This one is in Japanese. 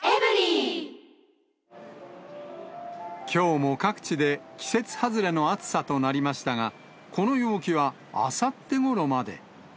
きょうも各地で季節外れの暑さとなりましたが、この陽気はあさってごろまで。